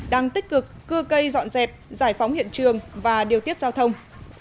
đang tích cực cưa cây dọn dẹp giải phóng hiện trường và điều tiết giao thông